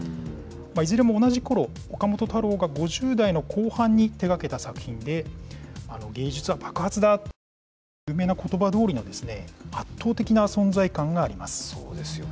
いずれも同じころ、岡本太郎が５０代の後半に手がけた作品で、芸術は爆発だっていう有名なことばどおりの圧倒的な存在感があります。